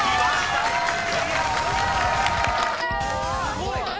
すごい！